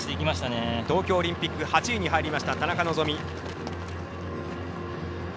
東京オリンピック８位に入った田中希実。